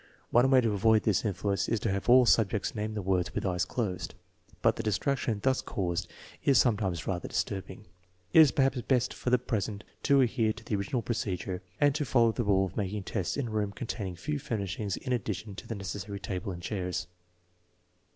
One way to avoid this influence is to have all subjects name the words with eyes closed, but the distraction thus caused is some times rather disturbing. It is perhaps best for the present to adhere to the original procedure, and to follow the rule of making tests in a room containing few furnishings in addition to the necessary table and chairs.